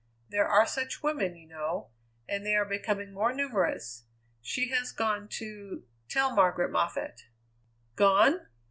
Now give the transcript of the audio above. There are such women, you know, and they are becoming more numerous. She has gone to tell Margaret Moffatt." "Gone?"